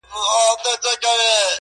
او په گوتو کي يې سپين سگريټ نيولی،